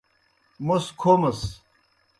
موْس کھومَس۔